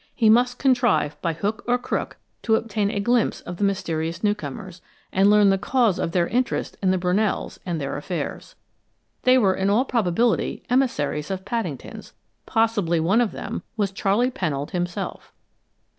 He must contrive by hook or crook to obtain a glimpse of the mysterious newcomers, and learn the cause of their interest in the Brunells and their affairs. They were in all probability emissaries of Paddington's possibly one of them was Charley Pennold himself.